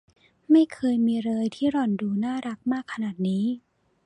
ไม่เคยมีเลยที่หล่อนดูน่ารักมากขนาดนี้